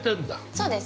◆そうです。